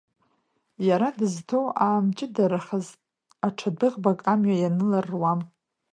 Иара дызҭоу аамҷыдарахаз аҽа дәыӷбак амҩа ианылар руам.